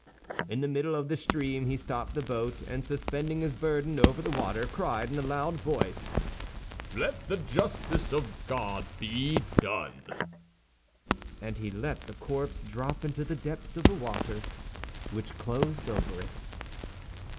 In the middle of the stream he stopped the boat, and suspending his burden over the water cried in a loud voice, "Let the justice of God be done!" and he let the corpse drop into the depths of the waters, which closed over it.